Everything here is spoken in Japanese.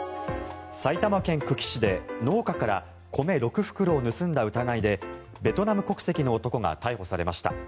埼玉県久喜市で農家から米６袋を盗んだ疑いでベトナム国籍の男が逮捕されました。